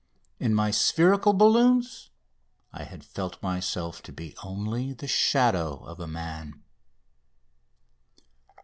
In my spherical balloons I had felt myself to be only the shadow of a man!